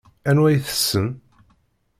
Anwa i tessen?